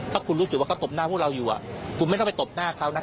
ถ้าคุณรู้สึกว่าเขาตบหน้าพวกเราอยู่คุณไม่ต้องไปตบหน้าเขานะ